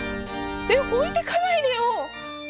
えっ置いてかないでよ！